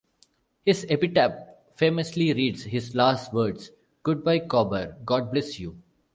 His epitaph famously reads "His last words, Goodbye Cobber, God bless you".